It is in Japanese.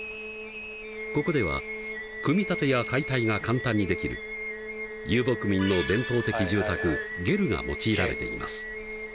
ここでは組み立てや解体が簡単にできる遊牧民の伝統的住宅ゲルが用いられています。